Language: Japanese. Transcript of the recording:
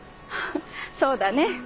そうだね」。